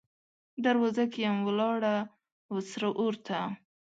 دروازه کې یم ولاړه، وه سره اور ته